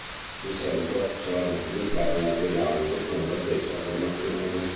In seguito saranno pubblicati altri live con la stessa formazione.